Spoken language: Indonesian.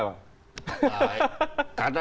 kalau dengan pak fredyk searah pak